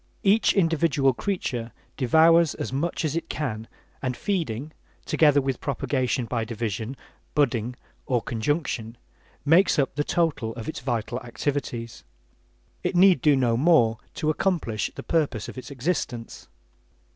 Each individual creature devours as much as it can and feeding, together with propagation by division, "budding" or conjunction, makes up the total of its vital activities. It need do no more to accomplish the purpose of its existence.